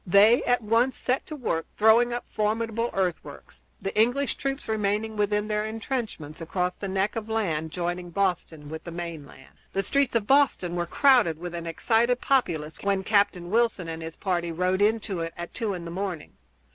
They at once set to work throwing up formidable earthworks, the English troops remaining within their intrenchments across the neck of land joining Boston with the mainland. The streets of Boston were crowded with an excited populace when Captain Wilson and his party rode into it at two in the morning.